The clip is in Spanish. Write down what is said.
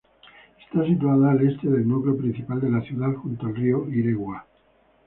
Está situada al este del núcleo principal de la ciudad, junto al río Iregua.